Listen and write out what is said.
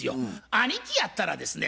兄貴やったらですね